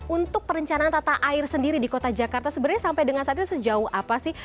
untuk perencanaan tata air sendiri di kota jakarta sebenarnya sampai dengan saat itu sejauh apa sih